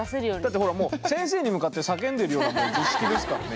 だってほらもう先生に向かって叫んでるような図式ですからね